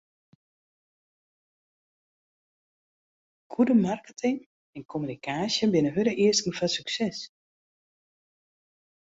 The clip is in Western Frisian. Goede marketing en kommunikaasje binne hurde easken foar sukses.